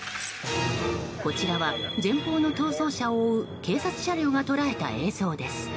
こちらは前方の逃走車を追う警察車両が捉えた映像です。